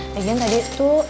lagi kan tadi tuh